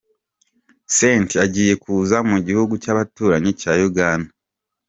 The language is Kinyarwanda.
cent agiye kuza mu gihugu cy'abaturanyi cya Uganda.